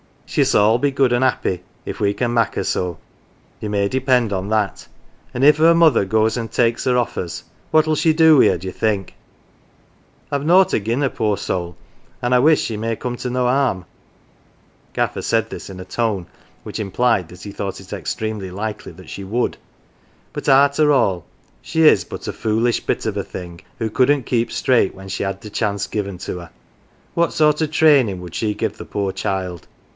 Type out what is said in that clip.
She s'all be good an' 'appy if we can mak' her so, you may depend on that. An' if her mother goes an' takes her off us, what'll she do wi' her, think you ? I've nought agin her, poor soul, and I wish she may come to no harm " (Gaffer said this in a tone which implied that he thought it extremely likely that she would), " but arter all she is but a foolish bit of a thing as couldn't keep straight when she 'ad the chance given her. What sort of trainin' would she give the poor child